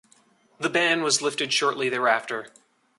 The ban was lifted shortly thereafter.